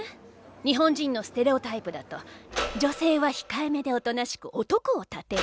日本人のステレオタイプだと女性は控えめで大人しく男を立てる。